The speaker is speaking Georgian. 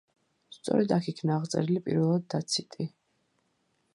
სწორედ აქ იქნა აღწერილი პირველად დაციტი.